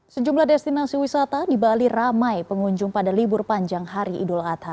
sejumlah destinasi wisata di bali ramai pengunjung pada libur panjang hari idul adha